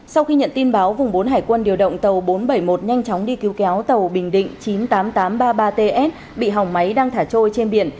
sau khi nhận tin báo vùng bốn hải quân điều động tàu bốn trăm bảy mươi một nhanh chóng đi cứu kéo tàu bình định chín mươi tám nghìn tám trăm ba mươi ba ts bị hỏng máy đang thả trôi trên biển